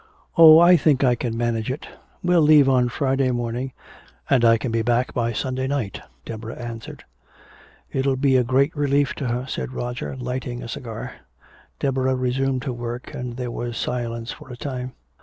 "Oh, I think I can manage it. We'll leave on Friday morning and I can be back by Sunday night. I'll love it," Deborah answered. "It'll be a great relief to her," said Roger, lighting a cigar. Deborah resumed her work, and there was silence for a time.